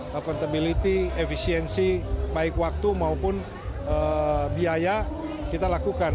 covantability efisiensi baik waktu maupun biaya kita lakukan